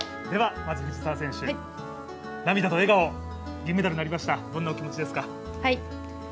では、まず藤澤選手、涙と笑顔、銀メダルになりましたどんなお気持ちですか？